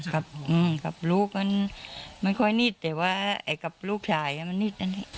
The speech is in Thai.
กับอืมกับลูกมันมันค่อยนิดแต่ว่าไอ้กับลูกชายมันนิดอันนี้